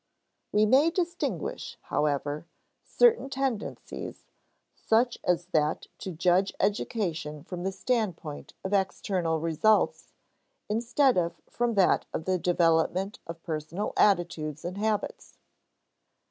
We may distinguish, however, certain tendencies, such as that to judge education from the standpoint of external results, instead of from that of the development of personal attitudes and habits.